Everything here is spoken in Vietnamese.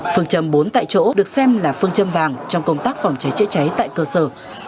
phương châm bốn tại chỗ được xem là phương châm vàng trong công tác phòng cháy chữa cháy tại cơ sở